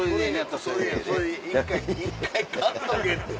それ一回買っとけって。